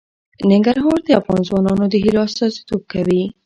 ننګرهار د افغان ځوانانو د هیلو استازیتوب کوي.